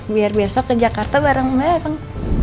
biar besok ke jakarta bareng mereka